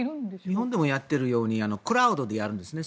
日本でもやってるようにクラウドでやるんですよね。